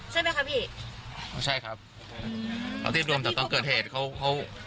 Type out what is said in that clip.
ใช่ไหมครับพี่อ๋อใช่ครับอืมแล้วที่รวมแต่ต้องเกิดเหตุเขาเขา